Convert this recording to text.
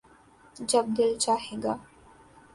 جب دل چاھے گا